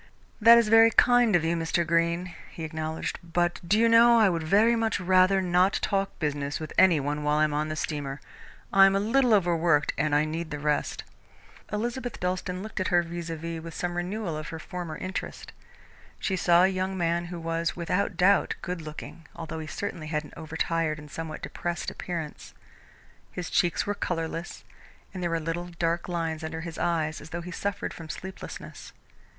"That is very kind of you, Mr. Greene," he acknowledged, "but do you know I would very much rather not talk business with any one while I am on the steamer? I am a little overworked and I need the rest." Elizabeth Dalstan looked at her vis à vis with some renewal of her former interest. She saw a young man who was, without doubt, good looking, although he certainly had an over tired and somewhat depressed appearance. His cheeks were colourless, and there were little dark lines under his eyes as though he suffered from sleeplessness.